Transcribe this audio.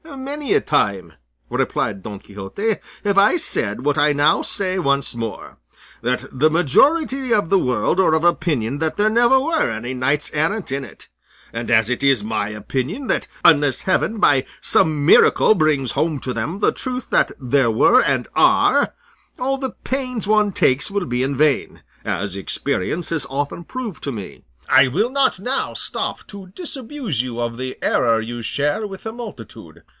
"Many a time," replied Don Quixote, "have I said what I now say once more, that the majority of the world are of opinion that there never were any knights errant in it; and as it is my opinion that, unless heaven by some miracle brings home to them the truth that there were and are, all the pains one takes will be in vain (as experience has often proved to me), I will not now stop to disabuse you of the error you share with the multitude.